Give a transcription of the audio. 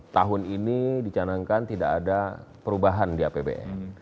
tahun ini dicanangkan tidak ada perubahan di apbn